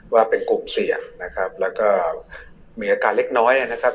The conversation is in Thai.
ว่าเป็นกลุ่มเสี่ยงนะครับแล้วก็มีอาการเล็กน้อยนะครับ